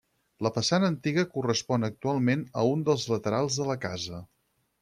La façana antiga correspon actualment a un dels laterals de la casa.